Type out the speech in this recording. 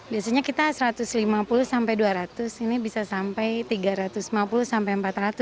biasanya kita satu ratus lima puluh sampai dua ratus ini bisa sampai tiga ratus lima puluh sampai empat ratus